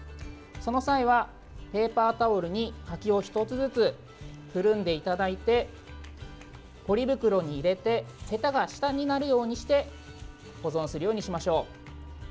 その際はペーパータオルに柿を１つずつくるんでいただいてポリ袋に入れてへたが下になるようにして保存するようにしましょう。